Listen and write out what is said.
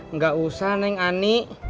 nggak usah neng ani